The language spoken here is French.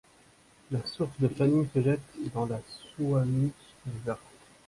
La source de Fanning se jette dans la Suwannee River.